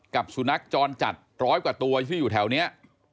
กับสุนัขจรจัดร้อยกว่าตัวที่อยู่แถวนี้